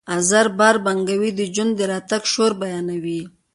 آزر باره بنکوی د جون د راتګ شور بیانوي